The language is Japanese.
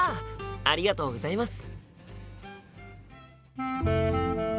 ありがとうございます。